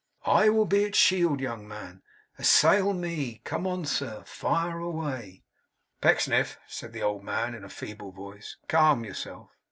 I will be its shield, young man. Assail me. Come on, sir. Fire away!' 'Pecksniff,' said the old man, in a feeble voice. 'Calm yourself.